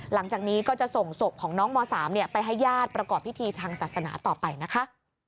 หลังจากนี้ก็จะส่งศพของน้องม๓ไปให้ญาติประกอบพิธีทางศาสนาต่อไปนะคะ